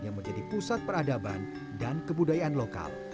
yang menjadi pusat peradaban dan kebudayaan lokal